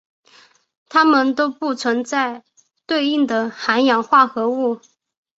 它们都不存在对应的含氧化合物。